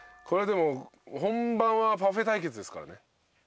でも本番はパフェ対決ですからね。